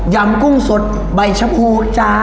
ำกุ้งสดใบชะพูจ้า